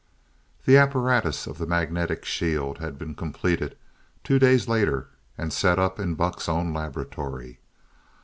V The apparatus of the magnetic shield had been completed two days later, and set up in Buck's own laboratory.